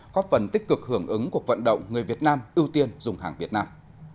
góp phần tích cực hưởng ứng cuộc vận động người việt nam ưu tiên dùng hàng việt nam